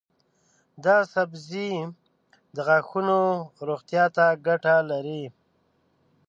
دا سبزی د غاښونو روغتیا ته ګټه لري.